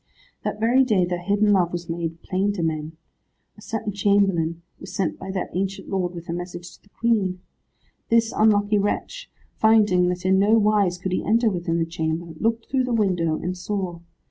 That very day their hidden love was made plain to men. A certain chamberlain was sent by that ancient lord with a message to the Queen. This unlucky wretch, finding that in no wise could he enter within the chamber, looked through the window, and saw.